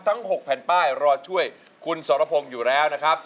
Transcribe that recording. ๖แผ่นป้ายรอช่วยคุณสรพงศ์อยู่แล้วนะครับ